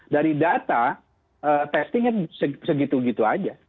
dari data testingnya segitu gitu aja